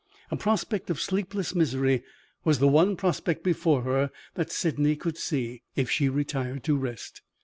A prospect of sleepless misery was the one prospect before her that Sydney could see, if she retired to rest.